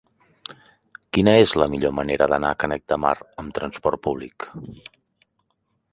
Quina és la millor manera d'anar a Canet de Mar amb trasport públic?